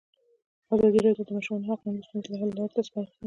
ازادي راډیو د د ماشومانو حقونه د ستونزو حل لارې سپارښتنې کړي.